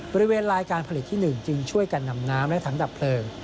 บริเวณลายการผลิตที่๑จึงช่วยกันนำน้ำและถังดับเพลิง